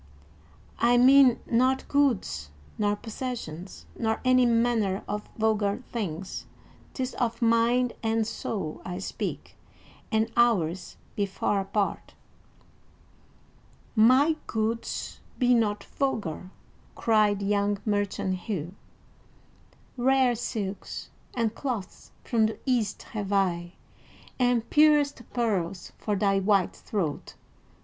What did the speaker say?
"I mean not goods nor possessions, nor any manner of vulgar things; 'tis of mind and soul I speak, and ours be far apart." "My goods be not vulgar!" cried young merchant Hugh. "Rare silks and cloths from the East have I, and purest pearls, for thy white throat.